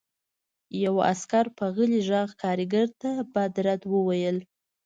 یوه عسکر په غلي غږ کارګر ته بد رد وویل